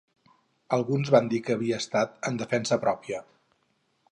Alguns van dir que havia estat en defensa pròpia.